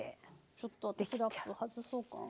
ちょっとラップ外そうかな。